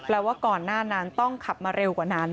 ว่าก่อนหน้านั้นต้องขับมาเร็วกว่านั้น